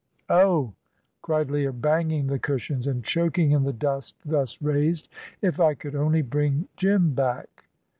"Oh!" cried Leah, banging the cushions and choking in the dust thus raised "if I could only bring Jim back!"